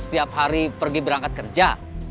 setiap hari pergi berangkat kerja